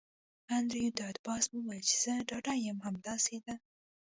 انډریو ډاټ باس وویل چې زه ډاډه یم همداسې ده